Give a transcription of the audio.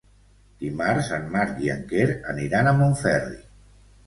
Dimarts en Marc i en Quer aniran a Montferri.